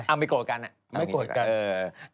เอาไม่โกรธกันไม่โกรธกัน